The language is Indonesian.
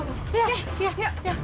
aduh aduh aduh aduh